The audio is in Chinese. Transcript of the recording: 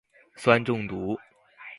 酸中毒。